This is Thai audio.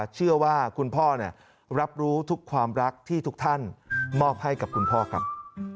เชื่อว่าคุณพ่อรับรู้ทุกความรักที่ทุกท่านมอบให้กับคุณพ่อครับ